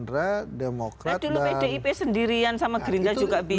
nah dulu pdip sendirian sama gerindra juga bisa